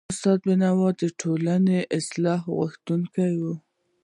استاد بينوا په ټولنه کي د اصلاح غوښتونکی و.